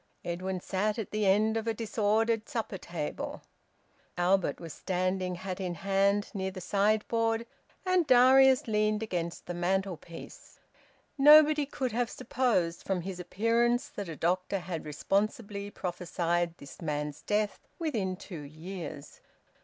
Edwin sat at the end of a disordered supper table, Albert was standing, hat in hand, near the sideboard, and Darius leaned against the mantelpiece. Nobody could have supposed from his appearance that a doctor had responsibly prophesied this man's death within two years.